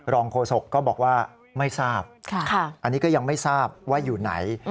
โฆษกก็บอกว่าไม่ทราบอันนี้ก็ยังไม่ทราบว่าอยู่ไหน